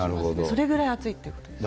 それぐらい暑いってことですね。